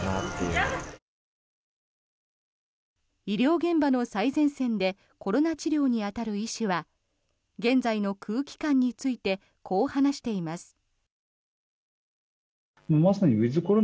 医療現場の最前線でコロナ治療に当たる医師は現在の空気感についてこう話しています。